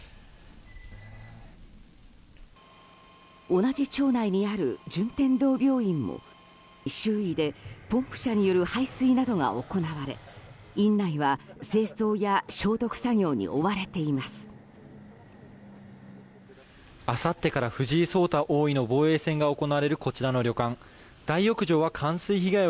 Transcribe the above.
同じ町内にある順天堂病院も周囲でポンプ車による排水などが行われ院内は、清掃や消毒作業に追われています。